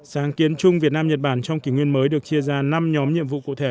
sáng kiến chung việt nam nhật bản trong kỷ nguyên mới được chia ra năm nhóm nhiệm vụ cụ thể